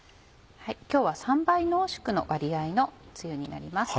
今日は３倍濃縮の割合のつゆになります。